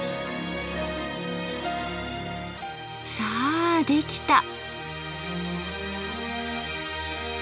さあできた！